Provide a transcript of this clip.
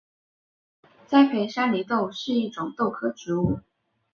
栽培山黧豆是一种豆科植物。